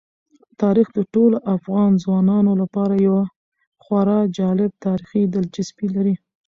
تاریخ د ټولو افغان ځوانانو لپاره یوه خورا جالب تاریخي دلچسپي لري.